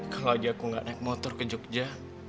kalau aja aku nggak naik motor ke jogja